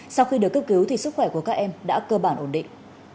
sau khi được cấp cứu thì sức khỏe của các em đã cơ bản ổn định